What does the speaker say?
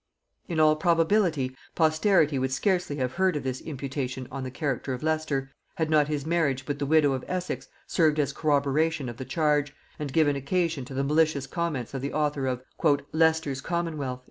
In all probability, posterity would scarcely have heard of this imputation on the character of Leicester, had not his marriage with the widow of Essex served as corroboration of the charge, and given occasion to the malicious comments of the author of "Leicester's Commonwealth."